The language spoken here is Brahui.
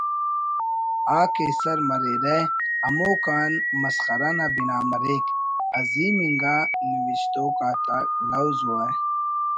آک ایسر مریرہ ہمو کان مسخرہ نا بنا مریک“ عظیم اننگا نوشتوک آتا لوز و